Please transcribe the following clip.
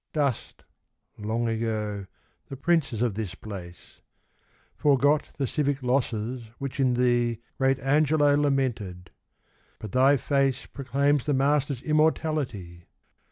Dust, long ago, the princes of this place ; Forgot the civic losses which in thee Great Angelo lamented ; but thy face Proclaims the master's immortality!